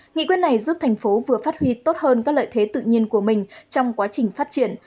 nghị quyết này giúp thành phố vừa phát huy tốt hơn các lợi thế tự nhiên của mình trong quá trình phát triển